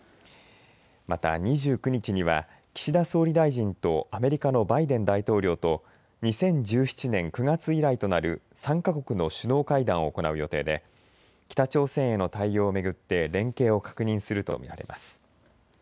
また２９日には岸田総理大臣とアメリカのバイデン大統領と２０１７年９月以来となる３か国の首脳会談を行う予定で北朝鮮への対応を巡って連携を確認すると見られます。